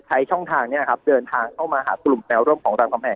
ใช้ช่องทางเดินทางเข้ามาหากลุ่มแนวร่วมของรามกำแหง